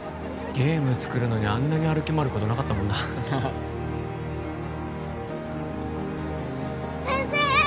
ゲーム作るのにあんなに歩き回ることなかったもんな先生！